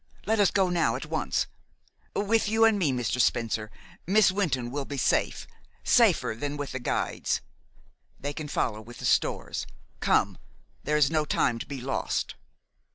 Let us go now at once. With you and me, Mr. Spencer, Miss Wynton will be safe safer than with the guides. They can follow with the stores. Come! There is no time to be lost!"